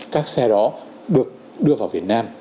các xe đó được đưa vào việt nam